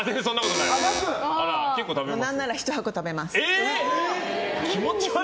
何なら１箱、食べます。